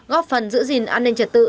góp phần giữ gìn an ninh trật tự